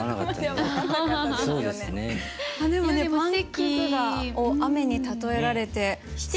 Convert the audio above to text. でもパンくずを雨に例えられて。